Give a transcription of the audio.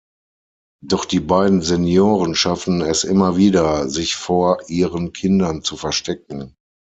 Doch die beiden Senioren schaffen es immer wieder, sich vor ihren Kindern zu verstecken.